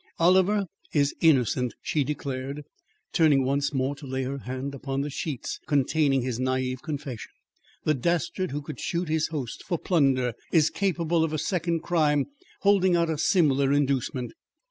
"Oliver is innocent," she declared, turning once more to lay her hand upon the sheets containing his naive confession. "The dastard who could shoot his host for plunder is capable of a second crime holding out a similar inducement.